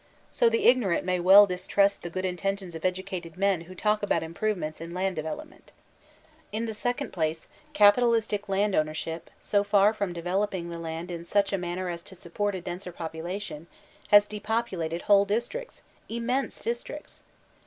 So the ignorant may well distrust At good intentions of educated men who talk about im piovments in land development. 268 VOLTAIRINE DE ClEYSE In the second place, capitalistic land ownership, so far from developing the land in sudi a manner as to support a denser population, has depopulated whole districts, im mense districts.